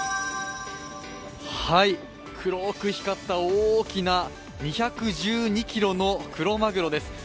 黒く光った大きな２１２ｋｇのクロマグロです。